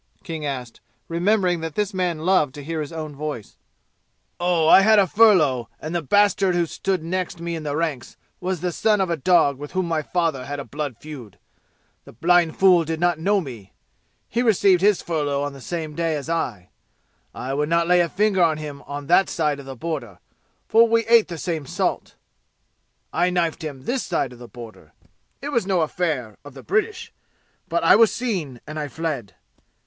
King asked, remembering that this man loved to hear his own voice. "Oh, I had furlough, and the bastard who stood next me in the ranks was the son of a dog with whom my father had a blood feud. The blind fool did not know me. He received his furlough on the same day as I. I would not lay finger on him that side of the border, for we ate the same salt. I knifed him this side the border. It was no affair of the British. But I was seen, and I fled.